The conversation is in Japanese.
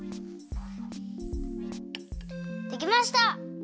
できました！